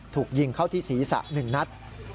ถูกยิงเข้าที่ศีรษะ๑นัด